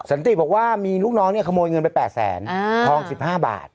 สันติบอกว่ามีลูกน้องเนี่ยขโมยเงินไป๘แสนทอง๑๕บาท